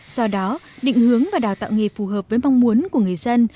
do đó định hướng và đào tạo nghề phù hợp với mong muốn của người dân